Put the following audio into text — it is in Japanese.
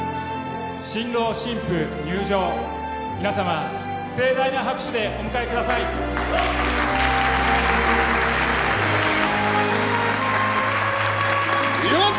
新郎新婦入場皆様盛大な拍手でお迎えくださいよっ！